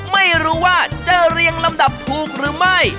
ไม่รู้ว่าจะเรียงลำดับถูกหรือไม่